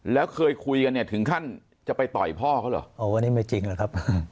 แล้วเคยคุยกันเนี่ยถึงขั้นจะไปต่อยพ่อเขาเหรอโอ้อันนี้ไม่จริงหรอกครับ